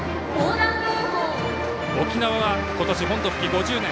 沖縄は今年、本土復帰５０年。